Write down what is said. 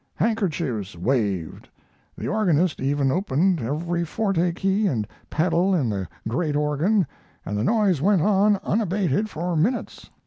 Handkerchiefs waved, the organist even opened every forte key and pedal in the great organ, and the noise went on unabated for minutes.